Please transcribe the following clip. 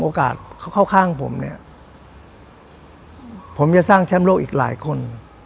เข้าข้างผมเนี่ยผมจะสร้างแชมป์โลกอีกหลายคน